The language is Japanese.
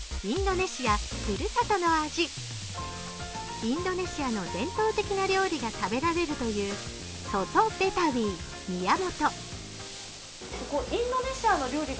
インドネシアの伝統的な料理が食べられるというソトベタウィ宮本。